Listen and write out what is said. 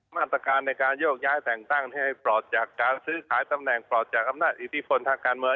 มาตรการในการโยกย้ายแต่งตั้งให้ปลอดจากการซื้อขายตำแหน่งปลอดจากอำนาจอิทธิพลทางการเมือง